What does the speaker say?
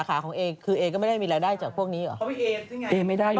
ที่ก็ไม่ได้มีรายได้จากพวกนี้อ่ะ